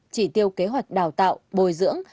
chỉ tiêu kế hoạch đào tạo bồi dưỡng